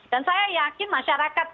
dan saya yakin masyarakat